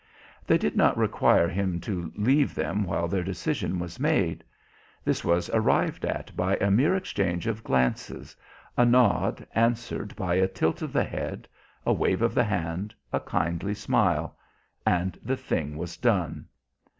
They did not require him to leave them while their decision was made. This was arrived at by a mere exchange of glances, a nod answered by a tilt of the head, a wave of the hand, a kindly smile; and the thing was done.